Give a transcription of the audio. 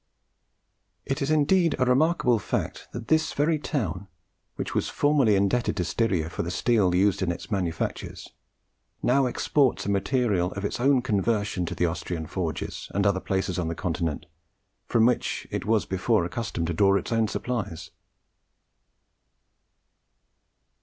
It is indeed a remarkable fact that this very town, which was formerly indebted to Styria for the steel used in its manufactures, now exports a material of its own conversion to the Austrian forges and other places on the Continent from which it was before accustomed to draw its own supplies.